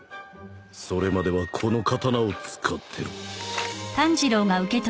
それまではこの刀を使ってろ。